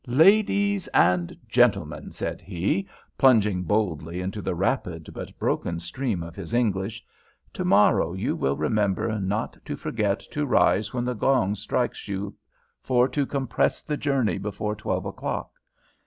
"Ladies and gentlemen," said he, plunging boldly into the rapid but broken stream of his English, "to morrow you will remember not to forget to rise when the gong strikes you for to compress the journey before twelve o'clock.